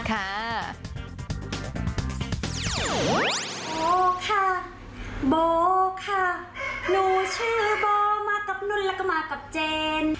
โบค่ะโบค่ะหนูชื่อโบมากับนุ่นแล้วก็มากับเจน